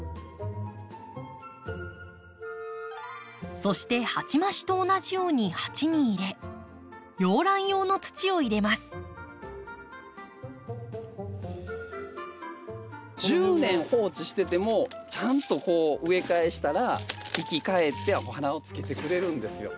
そして鉢増しと同じように鉢に入れ１０年放置しててもちゃんとこう植え替えしたら生き返ってお花をつけてくれるんですよ。